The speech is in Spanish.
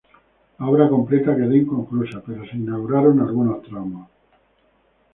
La obra completa quedó inconclusa, pero se inauguraron algunos tramos.